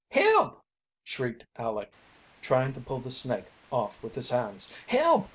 "Help!" shrieked Aleck, trying to pull the snake off with his hands. "Help!